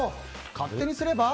勝手にすれば。